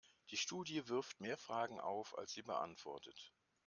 Die Studie wirft mehr Fragen auf, als sie beantwortet.